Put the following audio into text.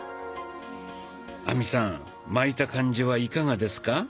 亜美さん巻いた感じはいかがですか？